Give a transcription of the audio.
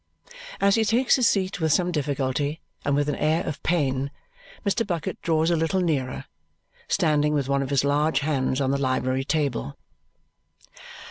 As he takes his seat with some difficulty and with an air of pain, Mr. Bucket draws a little nearer, standing with one of his large hands on the library table.